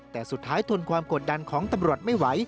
แต่สุดท้ายทนความกดดันของตำรวจไม่ไหว